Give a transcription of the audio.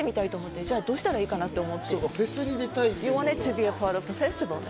じゃあ、どうしたらいいかなと思って。